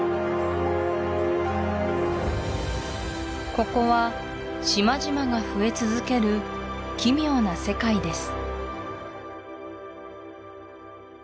ここは島々が増え続ける奇妙な世界です